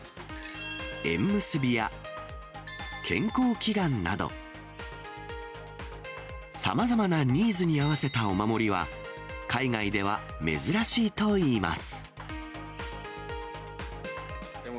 縁結びや、健康祈願など、さまざまなニーズに合わせたお守りは、海外では珍しいといいます。